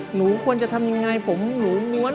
หนูควรจะทำยังไงผมหนูม้วน